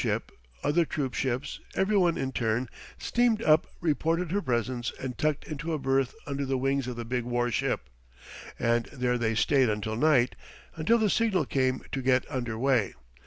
] Our troop ship, other troop ships, every one in turn, steamed up, reported her presence, and tucked into a berth under the wings of the big war ship; and there they stayed until night, until the signal came to get under way.